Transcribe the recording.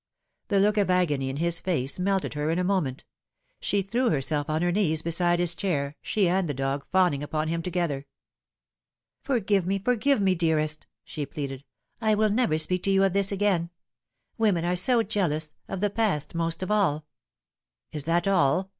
The look of agony in his face melted her in a moment. She threw herself on her knees beside his chair, she and the dog fawning upon him together. " Forgive me, forgive me, dearest," she pleaded, " I will never speak to you of this again. Women are so jealous of the past most of all." " Is that all?"